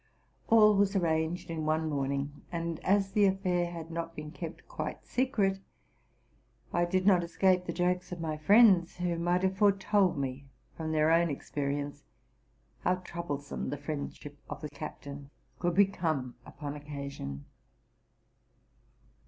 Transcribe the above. All was arranged in one morn ing; and, as the affair had not been kept quite secret, I did not escape the jokes of my friends, who might have foretold me, from their own experience, how troublesome the friend ship of the captain could become upon occasion.